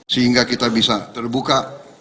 sehingga kita bisa terbuka